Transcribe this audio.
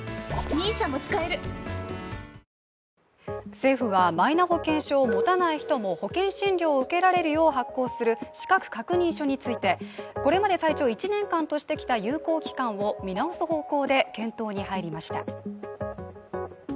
政府は、マイナ保険証を持たない人も保険診療を受けられるよう発行する資格確認書についてこれまで最長１年間としてきた有効期間を見直す方向で検討に入りました。